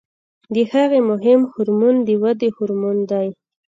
د هغې مهم هورمون د ودې هورمون دی.